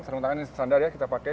serung tangan yang standar ya kita pakai